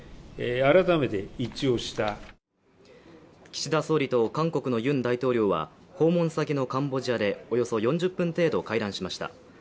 岸田総理と韓国のユン大統領は訪問先のカンボジアで、およそ４０分程度会談しました。